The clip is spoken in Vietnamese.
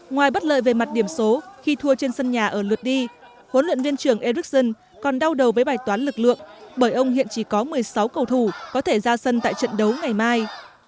ngoài bất lợi về mặt điểm số khi thua trên sân nhà ở lượt đi huấn luyện viên trưởng erickson còn đau đầu với bài toán lực lượng bởi ông hiện chỉ có một mươi sáu cầu thủ có thể ra sân tại trận đấu ngày mai